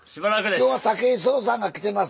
今日は武井壮さんが来てます。